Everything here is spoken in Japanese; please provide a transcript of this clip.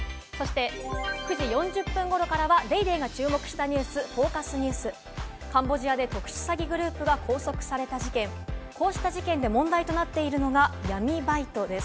９時４０分頃からは『ＤａｙＤａｙ．』が注目したニュース「ＦＯＣＵＳニュース」。カンボジアで特殊詐欺グループが拘束された事件、こうした事件で問題となっているのが闇バイトです。